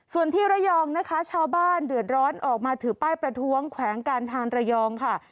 ส่วนที่ระยองนะคะชาวบ้านเดือดร้อนออกมาถือป้ายประท้วงแขวงการทางระยองค่ะ